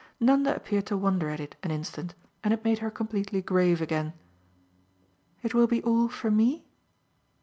Nanda appeared to wonder at it an instant, and it made her completely grave again. "It will be all for ME?"